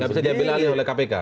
tidak bisa diambil alih oleh kpk